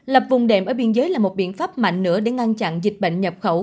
lập vùng đệm ở biên giới là một biện pháp mạnh nữa để ngăn chặn dịch bệnh nhập khẩu